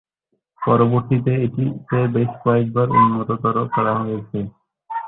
পরবর্তীতে এটিতে বেশ কয়েকবার উন্নততর করা হয়েছে।